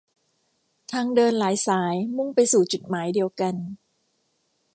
ทางเดินหลายสายมุ่งไปสู่จุดหมายเดียวกัน